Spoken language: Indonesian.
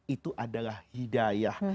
itu adalah hidayah